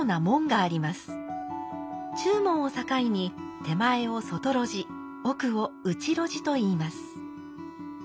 中門を境に手前を外露地奥を内露地といいます。